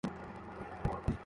জেনারেলদের ডাকো, এক্ষুনি।